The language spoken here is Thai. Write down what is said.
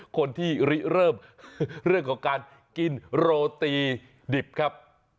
คนที่ริเริ่มเรื่องของการกินโรตีดิบครับ